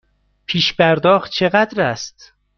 پیش پرداخت چقدر است؟